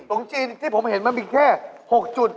จีนที่ผมเห็นมันมีแค่๖จุด